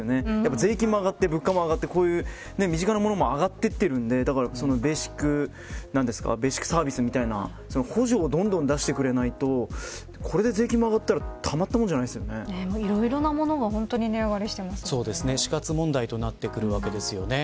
税金も上がって物価も上がって身近なものも上がっているのでベーシックサービスみたいな補助をどんどん出してくれないとこれで税金も上がったらたまったもいろいろな物が死活問題となってくるわけですよね。